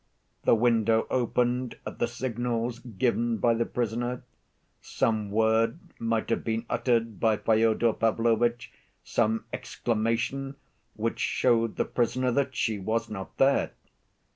The window opened at the signals given by the prisoner. Some word might have been uttered by Fyodor Pavlovitch, some exclamation which showed the prisoner that she was not there.